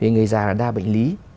người già là đa bệnh lý